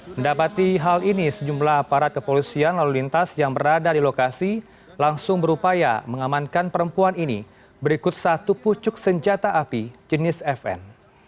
mendapati hal ini sejumlah aparat kepolisian lalu lintas yang berada di lokasi langsung berupaya mengamankan perempuan ini berikut satu pucuk senjata api jenis fn